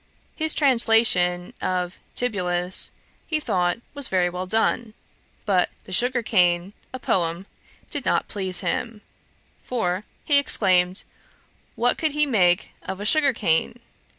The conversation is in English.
His translation of Tibullus, he thought, was very well done; but The Sugar Cane, a poem, did not please him; for, he exclaimed, 'What could he make of a sugar cane?